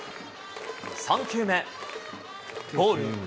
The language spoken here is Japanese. ３球目、ボール。